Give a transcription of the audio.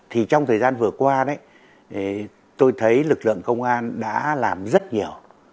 thì trong thời gian vừa qua đấy tôi thấy lực lượng công an đã làm rất nhiều